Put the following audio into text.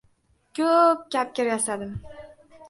Ko‘-o‘p kapkir yasadim.